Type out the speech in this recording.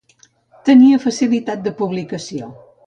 Tenia facilitat de publicació.